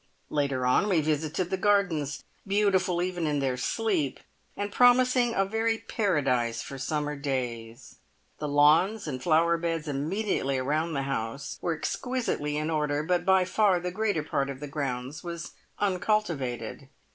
Later on we visited the gardens, beautiful even in their sleep, and promising a very paradise for summer days. The lawns and flower beds immediately around the house were exquisitely in order, but by far the greater part of the grounds was uncultivated.